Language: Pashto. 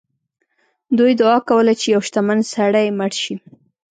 دوی دعا کوله چې یو شتمن سړی مړ شي.